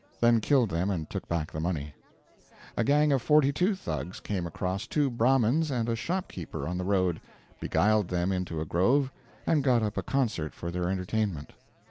Then killed them and took back the money. A gang of forty two Thugs came across two Brahmins and a shopkeeper on the road, beguiled them into a grove and got up a concert for their entertainment.